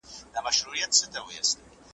تر قیامته به پر خړو خاورو پلن یو .